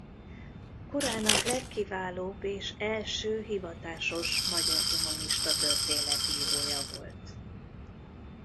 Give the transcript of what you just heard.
Korának legkiválóbb és első hivatásos magyar humanista történetírója volt.